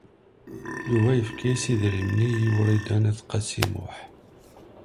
Yuba yefka-as idrimen-nni i Wrida n At Qasi Muḥ.